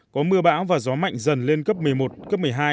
có mưa bão và gió mạnh dần lên cấp một mươi một cấp một mươi hai